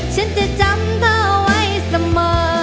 ฉันจะจำเธอไว้เสมอ